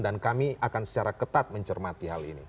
dan kami akan secara ketat mencermati hal ini